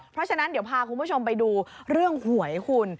เพราะฉะนั้นเดี๋ยวพาคุณผู้ชมไปดูเรื่องหวยคุณ